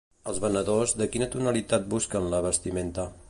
Els venedors, de quina tonalitat busquen la vestimenta?